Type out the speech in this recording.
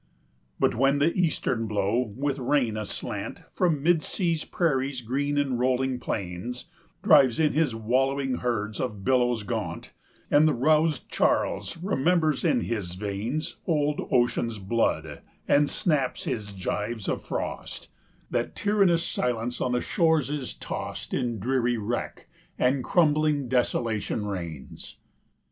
But when the eastern blow, with rain aslant, From mid sea's prairies green and rolling plains Drives in his wallowing herds of billows gaunt, 185 And the roused Charles remembers in his veins Old Ocean's blood and snaps his gyves of frost, That tyrannous silence on the shores is tost In dreary wreck, and crumbling desolation reigns.